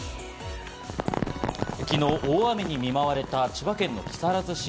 昨日、大雨に見舞われた千葉県木更津市。